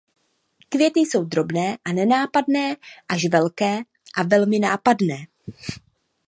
Květy jsou drobné a nenápadné až velké a velmi nápadné.